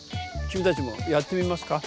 きみたちもやってみますか？